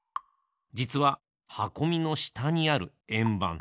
じつははこみのしたにあるえんばん。